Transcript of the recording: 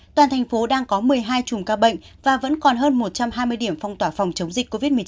toàn thành phố đang có một mươi hai chùm ca bệnh và vẫn còn hơn một trăm hai mươi điểm phong tỏa phòng chống dịch covid một mươi chín